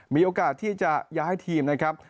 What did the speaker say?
มีโอกาสที่จะย้ายทีมนะครับ